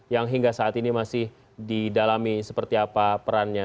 yang hingga saat ini masih didalami seperti apa perannya